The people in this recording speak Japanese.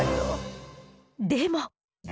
でも。